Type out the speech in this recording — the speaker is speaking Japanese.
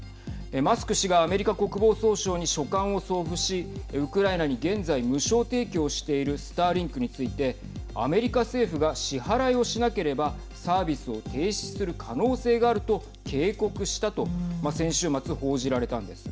マスク氏がアメリカ国防総省に書簡を送付しウクライナに現在無償提供しているスターリンクについてアメリカ政府が支払いをしなければサービスを停止する可能性があると警告したと先週末、報じられたんです。